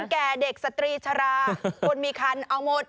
แก่เด็กสตรีชราคนมีคันเอาหมด